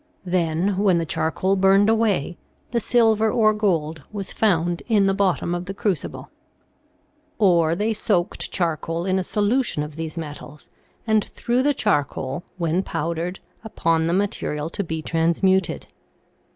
Then when the charcoal burned away, the silver or gold was found in the bottom of the crucible. Or they 84 THE SEVEN FOLLIES OF SCIENCE soaked charcoal in a solution of these metals and threw the charcoal, when powdered, upon the material to be trans muted.